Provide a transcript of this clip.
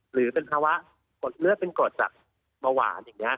หรือเป็นภาวะกดเลือดเป็นกรดจากเบาหวานอย่างนี้